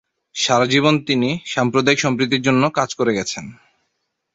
সারাজীবন তিনি সাম্প্রদায়িক সম্প্রীতির জন্য কাজ করে গেছেন।